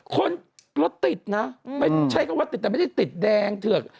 คนรถติดนะใช่ก็ว่าติดแต่ไม่ได้ติดแดงเถอะ